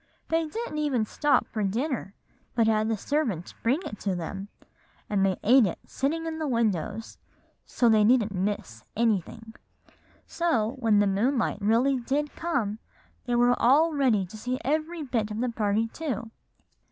They didn't even stop for dinner, but had the servants bring it to them, and they ate it sitting in the windows, so they needn't miss anything; so when the moonlight really did come, they were all ready to see every bit of the party too.